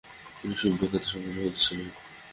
তিনি সুবিখ্যাত সংগ্রাহক ছিলেন।